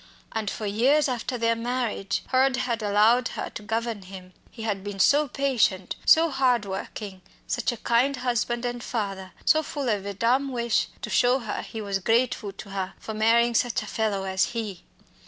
And for years after their marriage Hurd had allowed her to govern him. He had been so patient, so hard working, such a kind husband and father, so full of a dumb wish to show her he was grateful to her for marrying such a fellow as he.